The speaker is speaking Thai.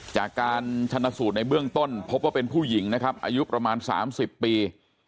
จากการชนะสูตรในเบื้องต้นพบว่าเป็นผู้หญิงนะครับอายุประมาณ๓๐ปี